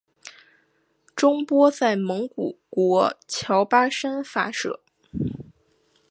中波在蒙古国乔巴山发射。